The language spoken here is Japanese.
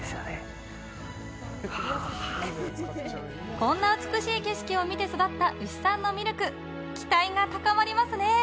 こんなに美しい景色を見て育った牛さんのミルク期待が高まりますね。